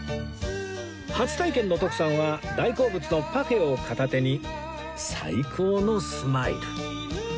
初体験の徳さんは大好物のパフェを片手に最高のスマイル